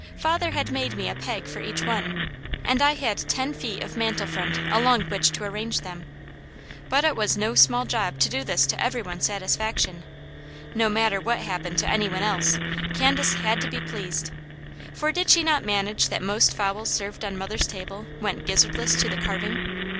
Father had made me a peg for each one, and I had ten feet of mantel front along which to arrange them. But it was no small job to do this to every one's satisfaction. No matter what happened to any one else, Candace had to be pleased: for did not she so manage that most fowls served on mother's table went gizzardless to the carving?